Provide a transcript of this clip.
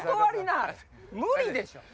無理でしょ！